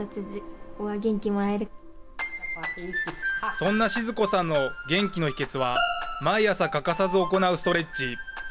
そんな静子さんの元気の秘訣は毎朝欠かさず行うストレッチ。